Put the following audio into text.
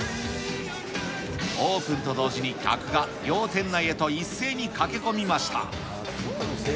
オープンと同時に客が両店内へと一斉に駆け込みました。